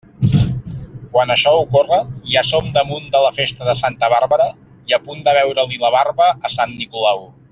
Quan això ocorre, ja som damunt de la festa de Santa Bàrbara i a punt de veure-li la barba a sant Nicolau.